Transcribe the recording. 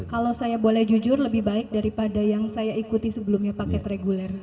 kalau saya boleh jujur lebih baik daripada yang saya ikuti sebelumnya paket reguler